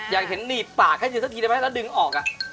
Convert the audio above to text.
อยากนิดปากให้ดึงออก